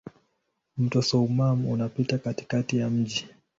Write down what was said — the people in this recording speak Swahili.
Mto Soummam unapita katikati ya mji.